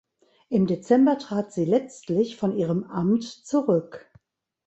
Im Dezember trat sie letztlich von ihrem Amt zurück.